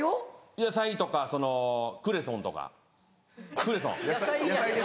野菜とかそのクレソンとかクレソン。